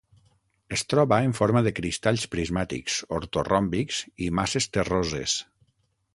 Es troba en forma de cristalls prismàtics ortoròmbics i masses terroses.